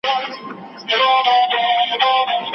قاصد مرغه مي تر جانان پوري وزر نه لري